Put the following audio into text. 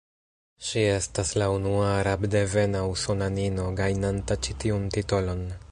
Ŝi estas la unua arabdevena usonanino, gajnanta ĉi tiun titolon.